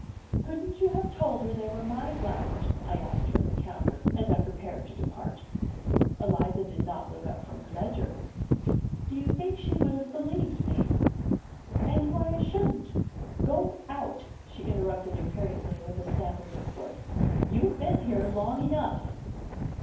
"Couldn't you have told her they were my flowers?" I asked her at the counter, as I prepared to depart. Eliza did not look up from her ledger. "Do you think she would have believed me?" "And why shouldn't " "Go out!" she interrupted imperiously and with a stamp of her foot. "You've been here long enough!"